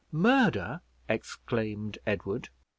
"Murder!" exclaimed Edward.